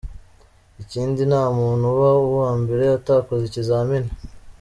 Ikindi, nta muntu uba uwa mbere atakoze ikizamini.